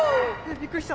びっくりした。